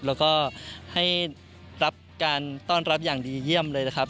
แล้วก็ให้รับการต้อนรับอย่างดีเยี่ยมเลยนะครับ